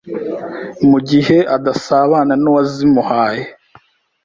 mugihe adasabana n’uwazimuhaye.